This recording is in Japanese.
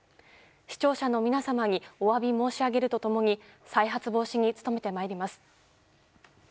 視聴者の皆様にお詫び申し上げると共に再発防止に努めてまいります。